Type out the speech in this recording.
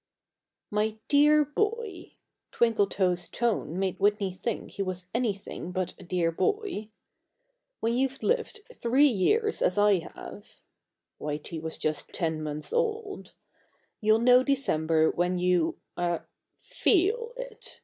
"My dear boy!" Twinkletoes' tone made Whitey think he was anything but a dear boy "When you've lived three years as I have (Whitey was just ten months old) you'll know December when you er feel it!